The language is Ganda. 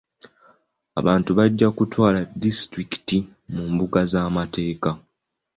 Abantu bajja kutwala disitulikiti mu mbuga z'amateeka.